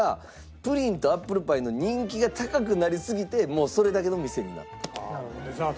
プリンとアップルパイの人気が高くなりすぎてもうそれだけの店になったと。